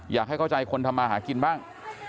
อยากให้เข้าใจคนทำมาหากินบ้าง